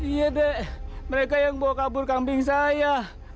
iya deh mereka yang bawa kabur kambing saya